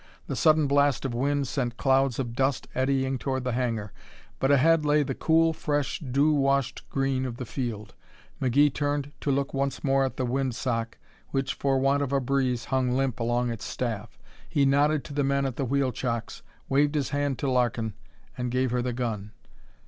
The sudden blast of wind sent clouds of dust eddying toward the hangar, but ahead lay the cool, fresh, dew washed green of the field. McGee turned to look once more at the wind sock which, for want of a breeze, hung limp along its staff. He nodded to the men at the wheel chocks, waved his hand to Larkin and gave her the gun.